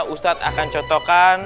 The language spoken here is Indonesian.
ustadz akan contohkan